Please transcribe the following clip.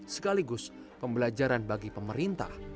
sekaligus pembelajaran bagi pemerintah